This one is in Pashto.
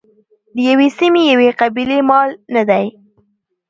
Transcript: د یوې سیمې یوې قبیلې مال نه دی.